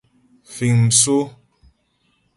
Fíŋ msó.